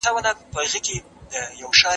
د اللهﷻ احکام په کلکه ونیسئ.